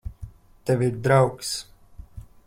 Tev ir draugs.